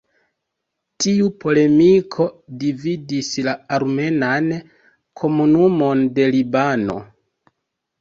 Tiu polemiko dividis la armenan komunumon de Libano.